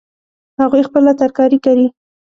هغوی خپله ترکاري کري